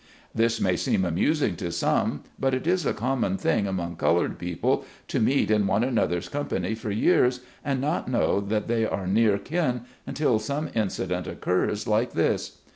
This may seem amusing to some, but it is a common thing among colored people to meet in one another's company for years and not know that they are near kin until some incident occurs like this.